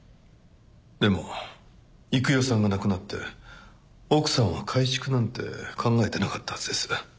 でも幾代さんが亡くなって奥さんは改築なんて考えてなかったはずです。